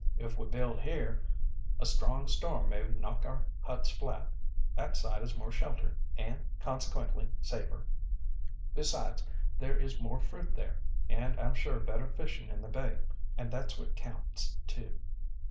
"If we build here, a strong storm may knock our huts flat. That side is more sheltered and, consequently, safer. Besides, there is more fruit there, and I'm sure better fishing in the bay, and that's what counts, too."